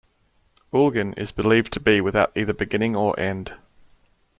Ülgen is believed to be without either beginning or end.